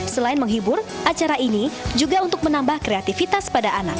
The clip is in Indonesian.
selain menghibur acara ini juga untuk menambah kreativitas pada anak